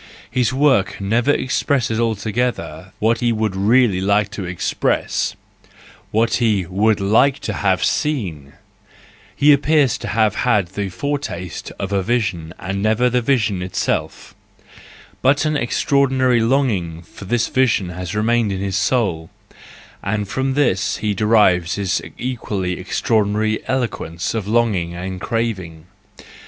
His work never expresses altogether what he would really like to express, what he would like to have seen : he appears to have had the foretaste of a vision and never the vision THE JOYFUL WISDOM, II III itself:—but an extraordinary longing for this vision has remained in his soul; and from this he derives his equally extraordinary eloquence of longing and craving.